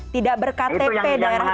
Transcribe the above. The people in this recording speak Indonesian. tidak berktp daerah itu juga ya pak